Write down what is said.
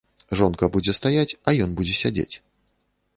Жонка будзе стаяць, а ён будзе сядзець.